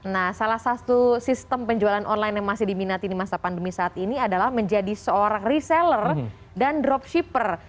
nah salah satu sistem penjualan online yang masih diminati di masa pandemi saat ini adalah menjadi seorang reseller dan dropshipper